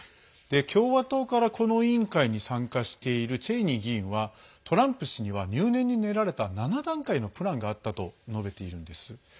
共和党からこの委員会に参加しているチェイニー議員はトランプ氏には入念に練られた７段階のプランがあったと述べているんです。